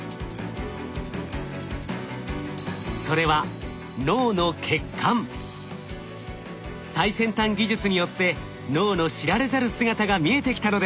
それは最先端技術によって脳の知られざる姿が見えてきたのです。